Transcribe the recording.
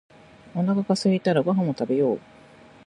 おなかがすいたらご飯を食べよう